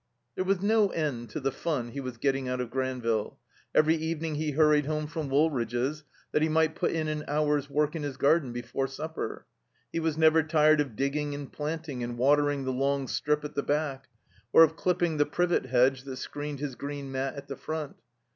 There was no end to the fun he was getting out of Granville. Every evening he hurried home from Woolridge's that he might put in an hour's work in his garden before supper. He was never tired of digging and planting and watering the long strip at the back, or of clipping the privet hedge that screened his green mat at the front.